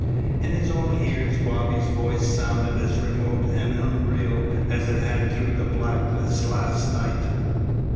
In his own ears Bobby's voice sounded as remote and unreal as it had through the blackness last night.